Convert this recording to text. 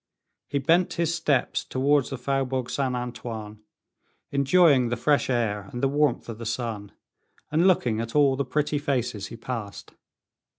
He bent his steps towards the Faubourg Saint Antoine, enjoying the fresh air and the warmth of the sun, and looking at all the pretty faces he passed.